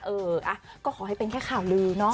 เออก็ขอให้เป็นแค่ข่าวลือเนาะ